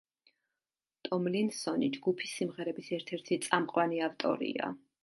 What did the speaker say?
ტომლინსონი ჯგუფის სიმღერების ერთ-ერთი წამყვანი ავტორია.